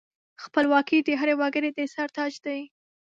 خپلواکي د هر وګړي د سر تاج دی.